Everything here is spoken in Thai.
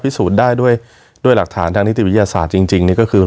พิสูจน์ได้ด้วยหลักฐานทางนิติวิทยาศาสตร์จริงนี่ก็คือ